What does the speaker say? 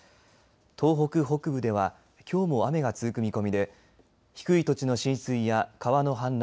東北北部ではきょうも雨が続く見込みで低い土地の浸水や川の氾濫